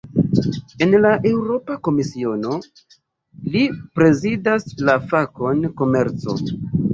En la Eŭropa Komisiono, li prezidas la fakon "komerco".